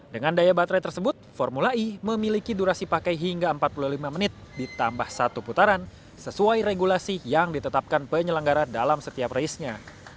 dengan daya baterai tersebut formula e memiliki durasi pakai hingga empat puluh lima menit ditambah satu putaran sesuai regulasi yang ditetapkan penyelenggara dalam setiap race nya